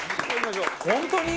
本当に？